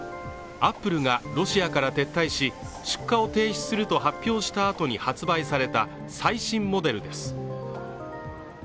アップルがロシアから撤退し出荷を停止すると発表したあとに発売された最新モデルです